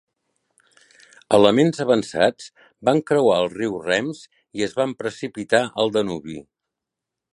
Elements avançats van creuar el riu Rems i es van precipitar al Danubi.